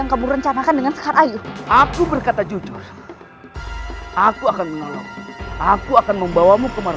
apakah itu benar